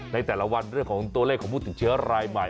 ในแต่ละวันเรื่องของตัวเลขของผู้ติดเชื้อรายใหม่